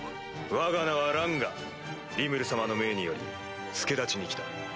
わが名はランガリムル様の命により助太刀に来た。